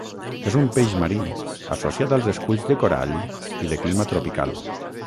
És un peix marí, associat als esculls de corall i de clima tropical.